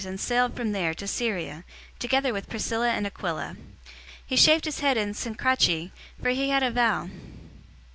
"} and sailed from there for Syria, together with Priscilla and Aquila. He shaved his head in Cenchreae, for he had a vow.